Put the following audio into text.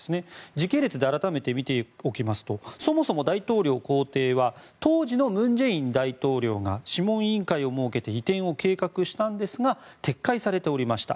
時系列で改めて見ておきますとそもそも大統領公邸は当時の文在寅大統領が諮問委員会を設けて移転を計画したんですが撤回されておりました。